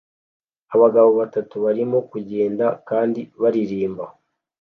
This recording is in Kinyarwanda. Abagabo batatu barimo kugenda kandi baririmba